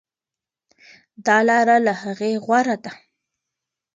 دا لاره له هغې غوره ده.